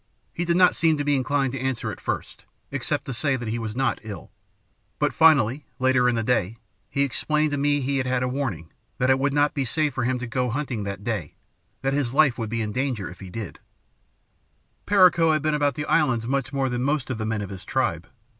he did not seem to be inclined to answer at first, except to say that he was not ill; but finally, later in the day, he explained to me that he had had a 'warning' that it would not be safe for him to go hunting that day; that his life would be in danger if he did go. "Perico had been about the islands much more than most of the men of his tribe.